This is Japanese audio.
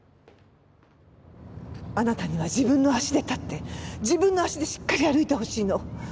あなたには自分の足で立って自分の足でしっかり歩いてほしいの。